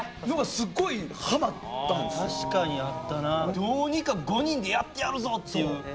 確かにあったなどうにか５人でやってやるぞっていう。